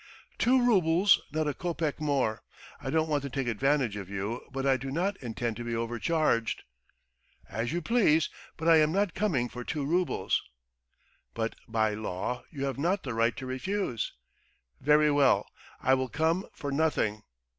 "Two roubles, not a kopeck more. I don't want to take advantage of you, but I do not intend to be overcharged." "As you please, but I am not coming for two roubles. ..." "But by law you have not the right to refuse." "Very well, I will come for nothing."